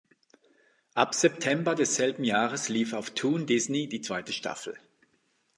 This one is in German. Ab September desselben Jahres lief auf Toon Disney die zweite Staffel.